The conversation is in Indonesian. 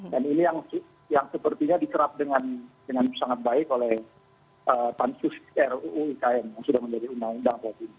dan ini yang sepertinya dikerap dengan sangat baik oleh pancus ruu ikn yang sudah menjadi undang undang saat ini